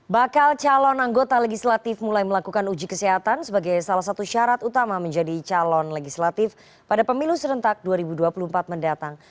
bakal calon anggota legislatif mulai melakukan uji kesehatan sebagai salah satu syarat utama menjadi calon legislatif pada pemilu serentak dua ribu dua puluh empat mendatang